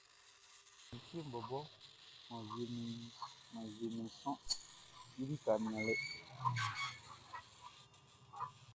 N fɛ, mi fieʼn bɔbɔʼn, mʼan wiemɛn i sɔʼn i lika nianlɛ.